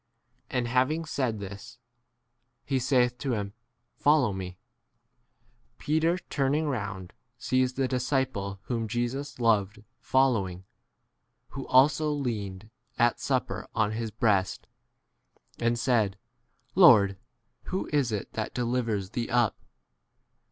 And having said this, he saith to him, Follow me. 20 b Peter turning round sees the dis ciple whom Jesus loved following, who also leaned at supper on his breast, and said, Lord, who is it 21 that delivers thee up